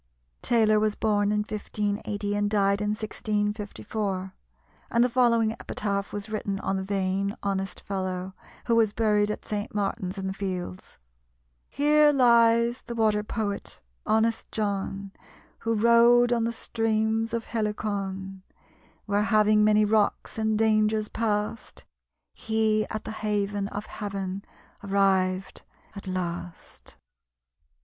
Taylor was born in 1580, and died in 1654; and the following epitaph was written on the vain, honest fellow, who was buried at St. Martin's in the Fields: "Here lies the Water poet, honest John, Who rowed on the streams of Helicon; Where having many rocks and dangers past, He at the haven of Heaven arrived at last."